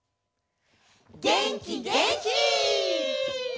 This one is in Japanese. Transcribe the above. げんきげんき！